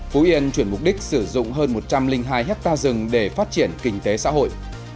phú yên chuyển mục đích sử dụng hơn một trăm linh hai hectare rừng để phát triển kinh tế xã hội